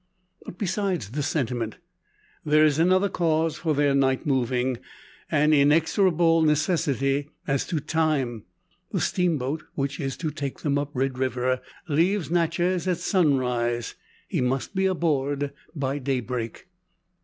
But besides the sentiment, there is another cause for their night moving an inexorable necessity as to time. The steamboat, which is to take them up Red River, leaves Natchez at sunrise. He must be aboard by daybreak.